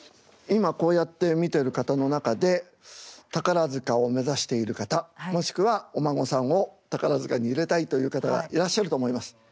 今こうやって見てる方の中で宝塚を目指している方もしくはお孫さんを宝塚に入れたいという方がいらっしゃると思います。